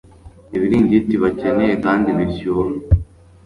Ibiringiti bakeneye kandi bishyuha